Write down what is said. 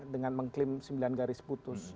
dengan mengklaim sembilan garis putus